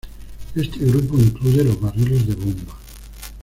Este grupo incluye los barriles de bomba.